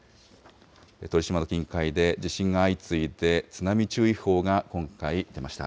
鳥島の近海で地震が相次いで、津波注意報が今回出ました。